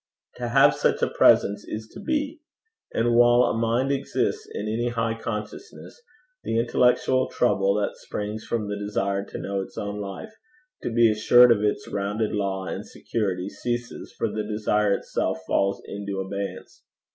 To have such a presence is to be; and while a mind exists in any high consciousness, the intellectual trouble that springs from the desire to know its own life, to be assured of its rounded law and security, ceases, for the desire itself falls into abeyance.